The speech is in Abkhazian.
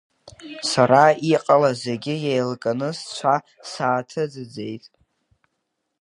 Сара иҟалаз зегьы еилкааны сцәа сааҭаӡыӡеит.